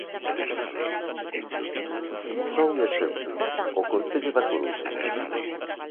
Só un exemplo: o Concello da Coruña.